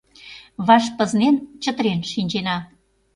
Ваш пызнен, чытырен шинчена.